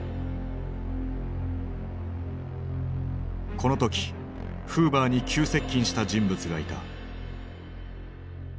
このときフーバーに急接近した人物がいた。